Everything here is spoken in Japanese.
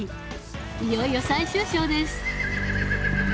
いよいよ最終章です